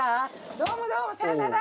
「どうもどうもさようなら！」